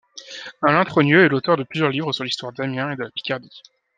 Alain Trogneux est l’auteur de plusieurs livres sur l’histoire d’Amiens et de la Picardie.